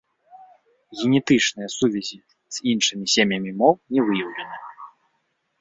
Генетычныя сувязі з іншымі сем'ямі моў не выяўлены.